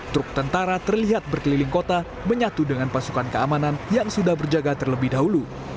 truk tentara terlihat berkeliling kota menyatu dengan pasukan keamanan yang sudah berjaga terlebih dahulu